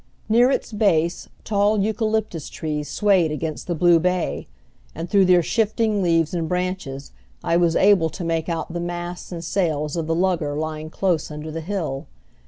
Near its base tall eucalyptus trees swayed against the blue bay; and through their shifting leaves and branches I was able to make out the masts and sails of the lugger lying close under the hill.